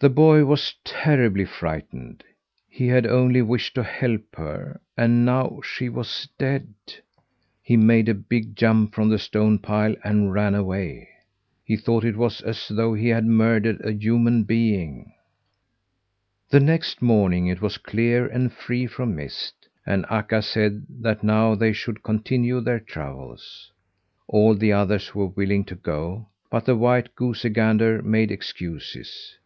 The boy was terribly frightened. He had only wished to help her, and now she was dead. He made a big jump from the stone pile, and ran away. He thought it was as though he had murdered a human being. The next morning it was clear and free from mist, and Akka said that now they should continue their travels. All the others were willing to go, but the white goosey gander made excuses.